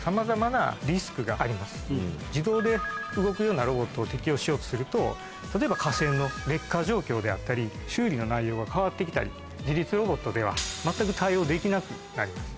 自動で動くようなロボットを適用しようとすると例えば架線の劣化状況であったり修理の内容が変わって来たり自律ロボットでは全く対応できなくなります。